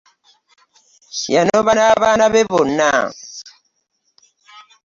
Yanoba na baana be bonna.